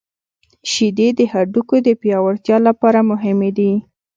• شیدې د هډوکو د پیاوړتیا لپاره مهمې دي.